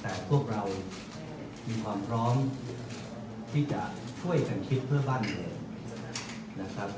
แต่พวกเรามีความพร้อมที่จะช่วยกันคิดเพื่อบ้านเมืองนะครับ